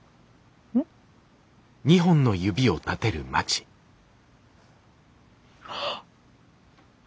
ん？あっ！